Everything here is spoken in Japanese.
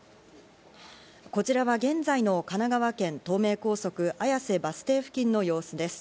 こちらは現在の神奈川県東名高速、綾瀬バス停付近の様子です。